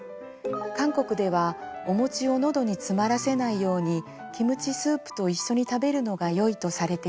韓国ではおもちを喉に詰まらせないようにキムチスープと一緒に食べるのがよいとされています。